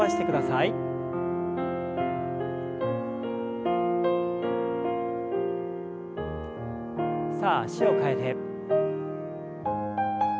さあ脚を替えて。